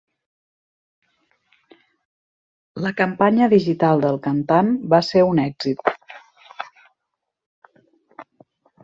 La campanya digital del cantant va ser un èxit.